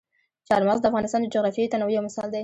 چار مغز د افغانستان د جغرافیوي تنوع یو مثال دی.